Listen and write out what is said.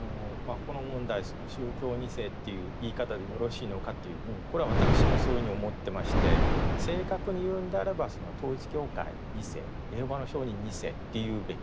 この問題その宗教２世という言い方でよろしいのかというこれは私もそういうふうに思ってまして正確に言うんであれば統一教会２世エホバの証人２世って言うべき。